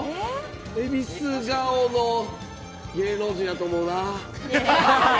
えびす顔の芸能人やと思うなぁ。